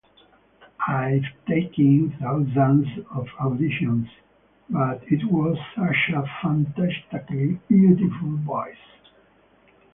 I've taken thousands of auditions, but it was such a fantastically beautiful voice.